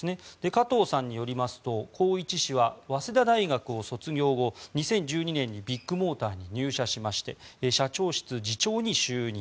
加藤さんによりますと宏一氏は早稲田大学を卒業後２０１２年にビッグモーターに入社しまして社長室次長に就任。